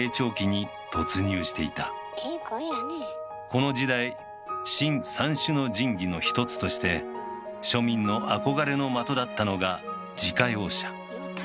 この時代「新・三種の神器」の一つとして庶民の憧れの的だったのが自家用車。